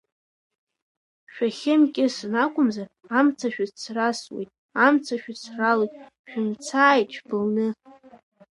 Шәахьымкьысын, акәымзар амца шәыцрасуеит, амца шәыцралоит, шәымцааит шәбылны!